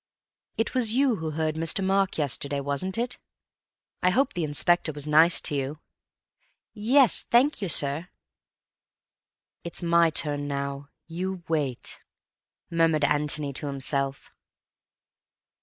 "It was you who heard Mr. Mark yesterday, wasn't it? I hope the inspector was nice to you?" "Yes, thank you, sir." "'It's my turn now. You wait,'" murmured Antony to himself.